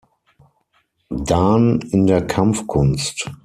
Dan in der Kampfkunst.